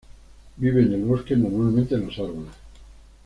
Vive en el bosque, normalmente en los árboles.